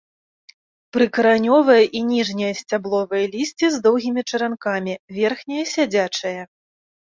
Прыкаранёвае і ніжняе сцябловае лісце з доўгімі чаранкамі, верхняе сядзячае.